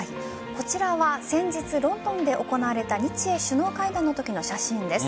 こちらは先日ロンドンで行われた日英首脳会談のときの写真です。